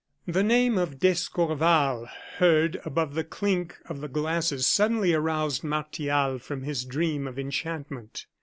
The name of d'Escorval heard, above the clink of the glasses, suddenly aroused Martial from his dream of enchantment.